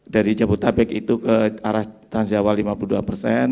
dari jabodabek itu ke arah trans jawa lima puluh dua persen